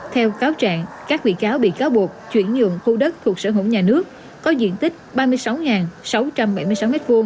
theo cáo trạng các bị cáo bị cáo buộc chuyển nhượng khu đất thuộc sở hữu nhà nước có diện tích ba mươi sáu sáu trăm bảy mươi sáu m hai